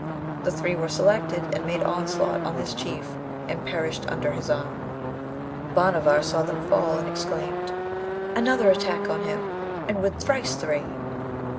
The three were selected, and made onslaught on this Chief, and perished under his arm. Bhanavar saw them fall, and exclaimed, 'Another attack on him, and with thrice three!'